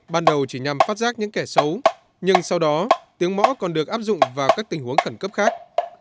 ban đầu chỉ nhằm phát giác những kẻ xấu nhưng sau đó tiếng mõ còn được áp dụng vào các tình huống khẩn cấp khác